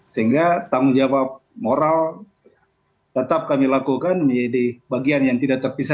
sehingga tanggung jawab moral tetap kami lakukan menjadi bagian yang tidak terpisah